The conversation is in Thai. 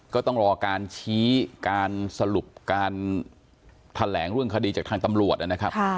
ก็ต้องรอการชี้การสรุปการแถลงเรื่องคดีจากทางตำรวจนะครับ